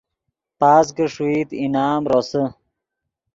پاس کہ ݰوئیت انعام روسے